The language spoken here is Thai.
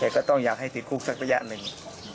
แต่ก็ต้องอยากให้ติดคุกสักระยะหนึ่ง